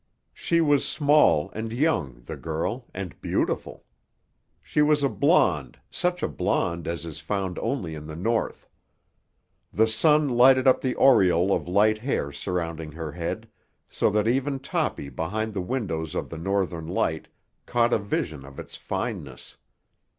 She was small and young, the girl, and beautiful. She was a blonde, such a blonde as is found only in the North. The sun lighted up the aureole of light hair surrounding her head, so that even Toppy behind the windows of the Northern Light caught a vision of its fineness.